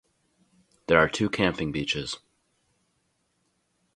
There are two camping beaches.